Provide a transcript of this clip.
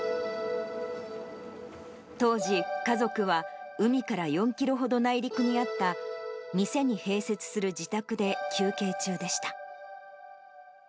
当時、家族は海から４キロほど内陸にあった店に併設する自宅で休憩中でした。